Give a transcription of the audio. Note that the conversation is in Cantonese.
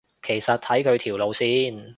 其實睇佢條路線